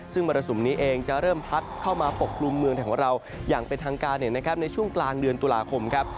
ซึ่งมรสุมนี้เองจะเริ่มพัดเข้ามาปกกลุ่มเมืองไทยของเราอย่างเป็นทางการในช่วงกลางเดือนตุลาคมครับ